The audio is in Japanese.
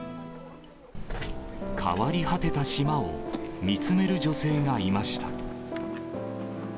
変わり果てた島を見つめる女性がいました。